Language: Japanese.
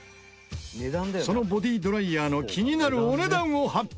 そのボディドライヤーの気になるお値段を発表